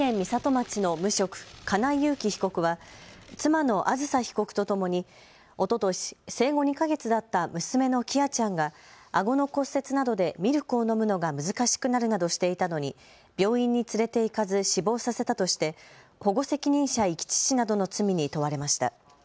町の無職、金井裕喜被告は妻のあずさ被告とともにおととし生後２か月だった娘の喜空ちゃんがあごの骨折などでミルクを飲むのが難しくなるなどしていたのに病院に連れて行かず死亡させたとして保護責任者遺棄致死などの罪に問われました。